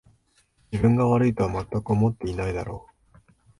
自分が悪いとはまったく思ってないだろう